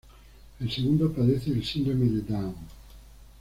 El segundo padece el síndrome de Down.